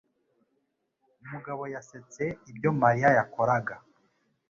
Mugabo yasetse ibyo Mariya yakoraga.